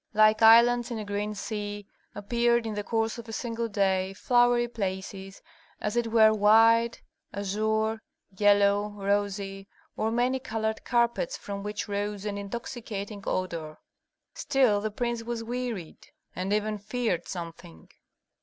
Like islands in a green sea appeared, in the course of a single day, flowery places, as it were white, azure, yellow, rosy, or many colored carpets from which rose an intoxicating odor. Still the prince was wearied, and even feared something.